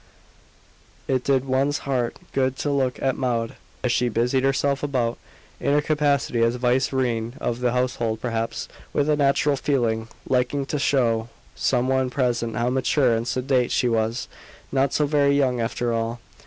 It did one's heart good to look at Maud, as she busied herself about, in her capacity as vice reine of the household; perhaps, with a natural feeling, liking to show some one present how mature and sedate she was not so very young after all.